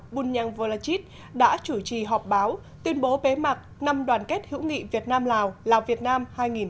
bunyang volachit đã chủ trì họp báo tuyên bố bế mạc năm đoàn kết hữu nghị việt nam lào lào việt nam hai nghìn một mươi chín